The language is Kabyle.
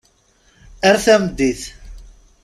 Ar tameddit.